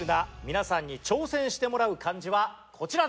皆さんに挑戦してもらう漢字はこちらです。